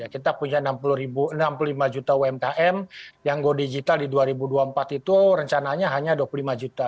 kita punya enam puluh lima juta umkm yang go digital di dua ribu dua puluh empat itu rencananya hanya dua puluh lima juta